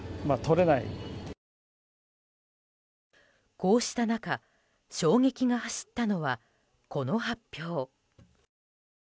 こうした中衝撃が走ったのは、この発表。